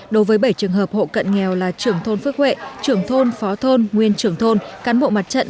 đối với bảy trường hợp hộ cận nghèo là trưởng thôn phước huệ trưởng thôn phó thôn nguyên trưởng thôn cán bộ mặt trận